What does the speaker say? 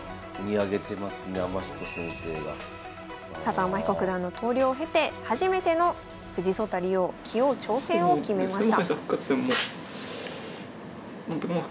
天彦九段の投了を経て初めての藤井聡太竜王棋王挑戦を決めました。